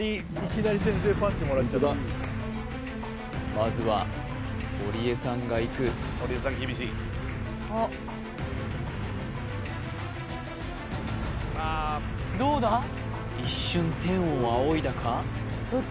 まずは堀江さんがいく一瞬天を仰いだか？